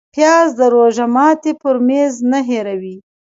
پیاز د روژه ماتي پر میز نه هېروې